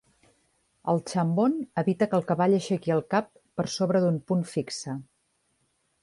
El chambon evita que el cavall aixequi el cap per sobre d'un punt fixe.